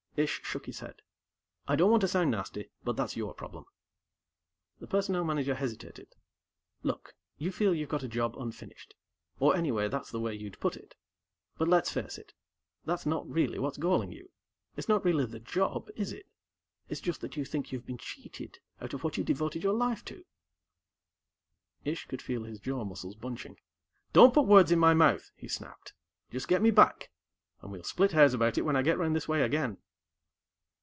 Ish shook his head. "I don't want to sound nasty, but that's your problem." The Personnel Manager hesitated. "Look you feel you've got a job unfinished. Or, anyway, that's the way you'd put it. But, let's face it that's not really what's galling you. It's not really the job, is it? It's just that you think you've been cheated out of what you devoted your life to." Ish could feel his jaw muscles bunching. "Don't put words in my mouth!" he snapped. "Just get me back, and we'll split hairs about it when I get around this way again."